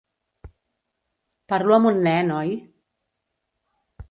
Parlo amb un nen, oi?